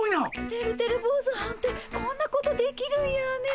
てるてる坊主はんってこんなことできるんやねえ。